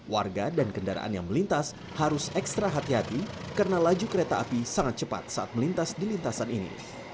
warga dan kendaraan yang melintas harus ekstra hati hati karena laju kereta api sangat cepat saat melintas di lintasan ini